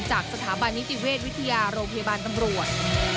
จากสถาบันนิติเวชวิทยาโรงพยาบาลตำรวจ